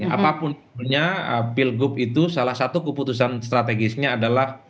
apapun pilgub itu salah satu keputusan strategisnya adalah